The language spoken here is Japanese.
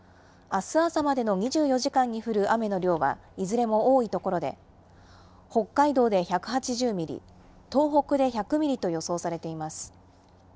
あす朝までの２４時間に降る雨の量はいずれも多い所で、北海道で１８０ミリ、東北で１００ミリと予想されています。